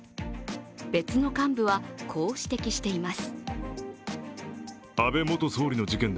別の幹部は、こう指摘しています。